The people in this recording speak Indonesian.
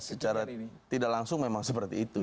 secara tidak langsung memang seperti itu